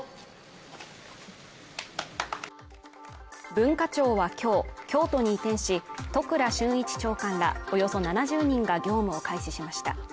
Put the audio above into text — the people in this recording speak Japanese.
文化庁は今日、京都に移転し、都倉俊一長官らおよそ７０人が業務を開始しました。